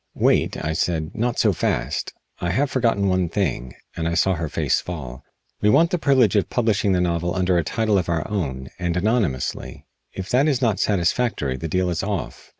"Wait," I said; "not so fast. I have forgotten one thing," and I saw her face fall. "We want the privilege of publishing the novel under a title of our own, and anonymously. If that is not satisfactory the deal is off."